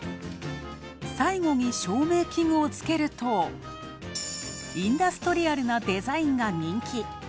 最後に照明器具をつけると、インダストリアルなデザインが人気。